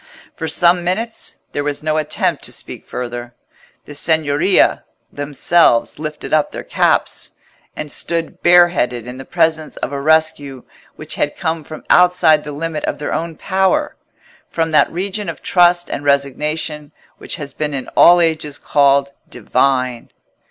For some minutes there was no attempt to speak further: the Signoria themselves lifted up their caps, and stood bare headed in the presence of a rescue which had come from outside the limit of their own power—from that region of trust and resignation which has been in all ages called divine.